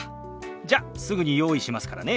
じゃすぐに用意しますからね。